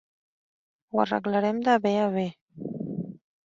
Ho arreglarem de bé a bé.